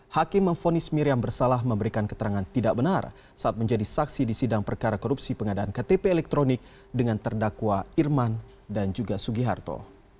hakim memfonis miriam bersalah memberikan keterangan tidak benar saat menjadi saksi di sidang perkara korupsi pengadaan ktp elektronik dengan terdakwa irman dan juga sugiharto